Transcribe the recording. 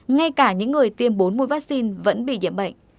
ngay cả những người tiêm bốn mũi vaccine vẫn bị điểm bệnh